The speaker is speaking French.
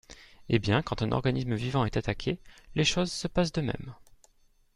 Eh bien, quand un organisme vivant est attaqué, les choses se passent de même.